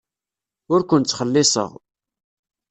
Ur ken-ttxelliṣeɣ.